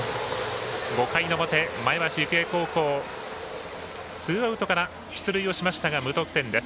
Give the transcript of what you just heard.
５回の表、前橋育英高校ツーアウトから出塁しましたが無得点です。